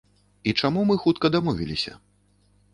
І чаму мы хутка дамовіліся?